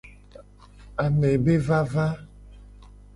Ame be vava.